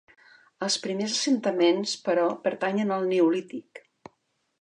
Els primers assentaments, però, pertanyen al Neolític.